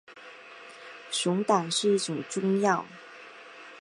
熊胆是一种中药。